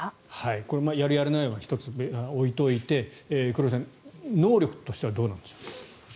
これもやる、やらないは１つ置いておいて黒井さん、能力としてはどうなんでしょうか？